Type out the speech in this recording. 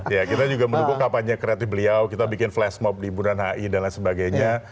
ya kita juga mendukung kampanye kreatif beliau kita bikin flash mob di bundaran hi dan lain sebagainya